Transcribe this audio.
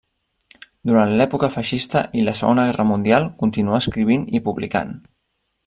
Durant l'època feixista i la Segona Guerra Mundial, continuà escrivint i publicant.